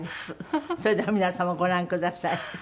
それでは皆様ご覧ください。